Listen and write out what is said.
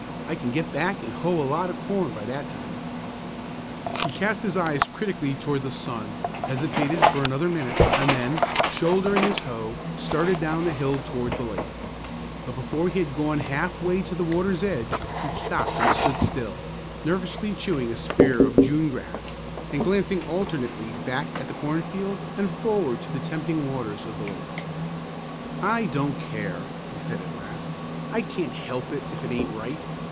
I can get back and hoe a lot of corn by that time." He cast his eyes critically toward the sun, hesitated for another minute, and then, shouldering his hoe, started down the hill toward the lake; but before he had gone half way to the water's edge he stopped and stood still, nervously chewing a spear of June grass, and glancing alternately back at the cornfield and forward to the tempting waters of the lake. "I don't care!" he said at last. "I can't help it if it aint right.